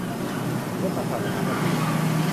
ศิลปศาสตรมหาบัณฑิต